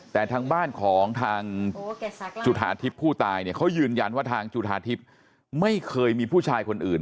แต่ทางบ้านของทางจุธาทิพย์ผู้ตายเนี่ยเขายืนยันว่าทางจุธาทิพย์ไม่เคยมีผู้ชายคนอื่น